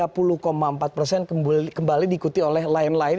tiga puluh empat persen kembali diikuti oleh lain lain